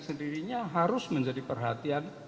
sendirinya harus menjadi perhatian